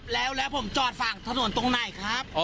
แล้วผมจอดฝั่งถนนตรงไหนครับ